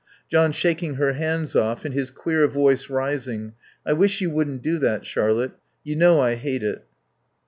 John shaking her hands off and his queer voice rising. "I wish you wouldn't do that, Charlotte. You know I hate it."